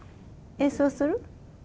演奏する？